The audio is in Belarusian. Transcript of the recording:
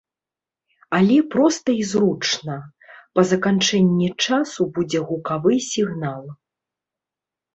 Але проста і зручна, па заканчэнні часу будзе гукавы сігнал.